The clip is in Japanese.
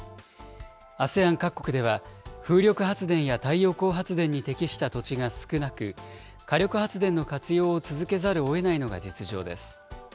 ＡＳＥＡＮ各国では、風力発電や太陽光発電に適した土地が少なく、火力発電の活用を続けざるをえないのが実情です。